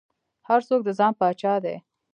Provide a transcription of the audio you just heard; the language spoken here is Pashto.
هر څوک د ځان پاچا دى.